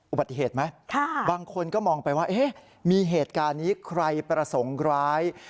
อุบัติเหตุไหมบางคนก็มองไปว่ามีเหตุการณ์นี้ใครประสงค์ร้าย